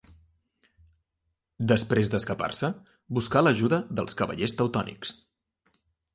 Després d'escapar-se, buscà l'ajuda dels Cavallers Teutònics.